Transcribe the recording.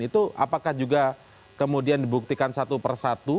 itu apakah juga kemudian dibuktikan satu per satu